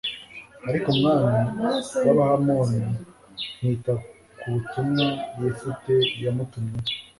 ariko umwami w'abahamoni ntiyita ku butumwa yefute yamutumyeho